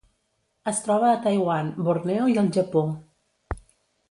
Es troba a Taiwan, Borneo i el Japó.